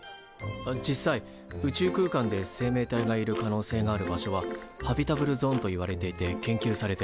あっ実際宇宙空間で生命体がいる可能性がある場所はハビタブルゾーンといわれていて研究されてる。